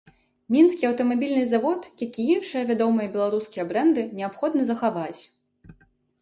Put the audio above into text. Мінскі аўтамабільны завод, як і іншыя вядомыя беларускія брэнды, неабходна захаваць.